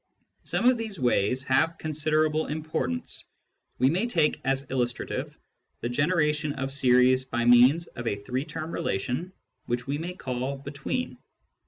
Some of these ways have con siderable importance. We may take as illustrative the genera tion of series by means of a three term relation which we may call " between."